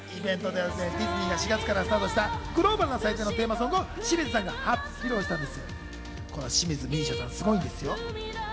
イベントではディズニーが４月からスタートしたグローバルな祭典のテーマソングを清水さんが初披露したんです。